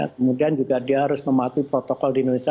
kemudian juga dia harus mematuhi protokol di indonesia